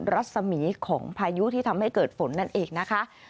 รัศมีของพายุที่ทำให้เกิดฝนนั่นเองนะคะ